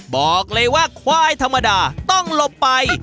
บอกเลยว่าควายธรรมดาต้องหลบไป